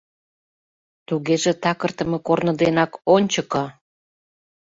— Тугеже такыртыме корно денак — ончыко!